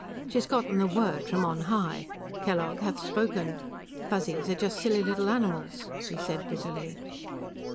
She's gotten the Word from On High. Kellogg hath spoken. Fuzzies are just silly little animals," he said bitterly.